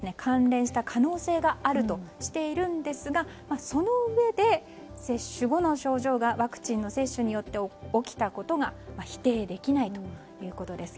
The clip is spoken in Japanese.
厚労省はこれらの病気も死亡と関連した可能性があるとしているんですがそのうえで、接種後の症状がワクチンの接種によって起きたことが否定できないということです。